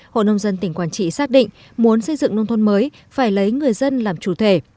hội nông dân tỉnh quảng trị xác định muốn xây dựng nông thôn mới phải lấy người dân làm chủ thể